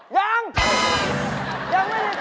ยังไม่ได้ถามเลย